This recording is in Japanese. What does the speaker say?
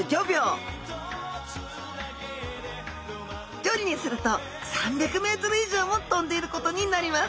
距離にすると３００メートル以上も飛んでいることになります。